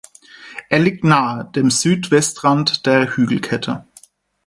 Er liegt nahe dem Südwestrand der Hügelkette.